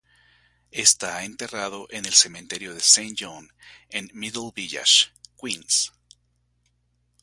Está enterrado en el cementerio de Saint John en Middle Village, Queens.